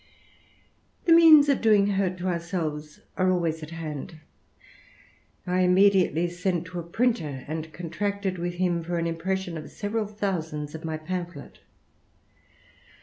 The means of doing hurt to ourselves are always at hand. I immediately sent to a^printer, and contracted with him for *Q impression of several thousands of my pamphlet.